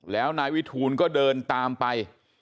แล้วนายวิทูลก็เดินตามไป